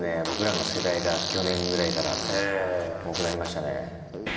僕らの世代が去年くらいから多くなりましたね。